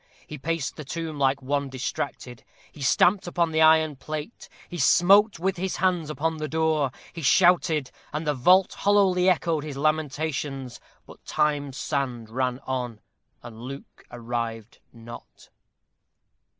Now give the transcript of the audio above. He paced the tomb like one distracted; he stamped upon the iron plate; he smote with his hands upon the door; he shouted, and the vault hollowly echoed his lamentations. But Time's sand ran on, and Luke arrived not.